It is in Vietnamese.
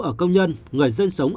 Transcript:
ở công nhân người dân sống